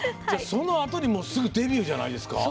そのあとにすぐデビューじゃないですか。